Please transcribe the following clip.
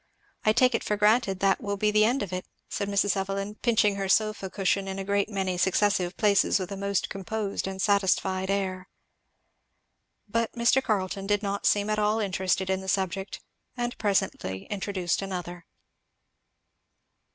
I take it for granted that will be the end of it," said Mrs. Evelyn, pinching her sofa cushion in a great many successive places with a most composed and satisfied air. But Mr. Carleton did not seem at all interested in the subject, and presently introduced another.